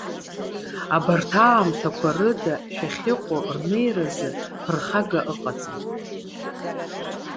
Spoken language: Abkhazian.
Абарҭ аамҭақәа рыда шәахьыҟоу рнеиразы ԥырхага ыҟаӡам.